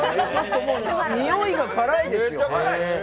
においが辛いです。